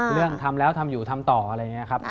ทำแล้วทำอยู่ทำต่ออะไรอย่างนี้ครับ